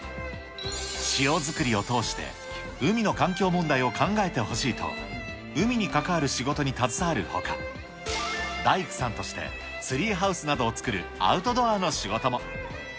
塩作りを通して、海の環境問題を考えてほしいと、海に関わる仕事に携わるほか、大工さんとしてツリーハウスなどを作るアウトドアの仕事も。